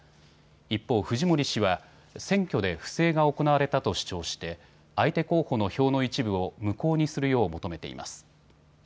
一方、フジモリ氏は選挙で不正が行われたと主張して相手候補の票の一部を無効にするよう求めています。